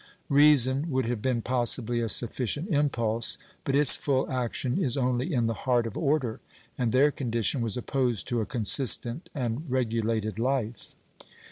Reason would have been possibly a sufficient impulse, but its full action is only in the heart of order, and their condition was opposed to a consistent and regulated life.